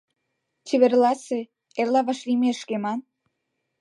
— Чеверласе, «эрла вашлиймешке» ман.